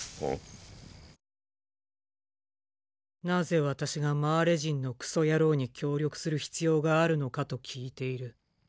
なぜ私がマーレ人のクソ野郎に協力する必要があるのかと聞いている。